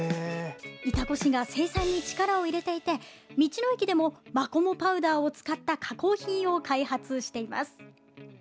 潮来市が生産に力を入れていて道の駅でもまこもパウダーを使った加工品を開発しています。